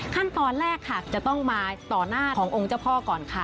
ขั้นตอนแรกค่ะจะต้องมาต่อหน้าขององค์เจ้าพ่อก่อนค่ะ